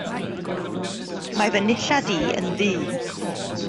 Mae fy nillad i yn ddu.